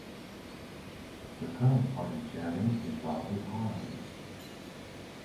The current party chairman is Robert Harms.